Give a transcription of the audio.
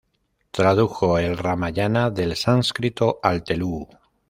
Tradujo el Ramayana del sánscrito al telugu.